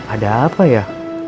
ada apa ya